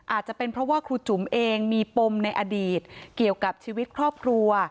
อาจจะเป็นเพราะว่าครูจุ๋มเองมีปมในอดีตเกี่ยวกับชีวิตครอบครัว